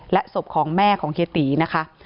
ศพของแม่ของเฮียตีนะคะ